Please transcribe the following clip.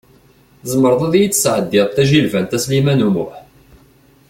Tzemreḍ i yi-d-tesɛeddiḍ tajilbant, a Sliman U Muḥ?